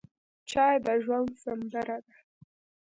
چای د ژوند سندره ده.